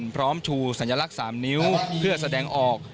พร้อมชูสัญลักษณ์๓นิ้วเพื่อแสดงออก